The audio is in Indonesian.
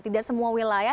tidak semua wilayah